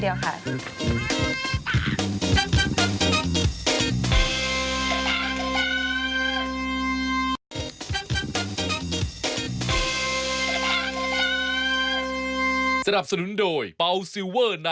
หน้าสัตว์ตู้เดียวค่ะ